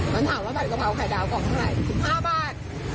มันถามว่าผัดกะเพราไข่ดาวกล่องข้างใน๑๕บาท